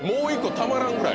たまらんぐらい？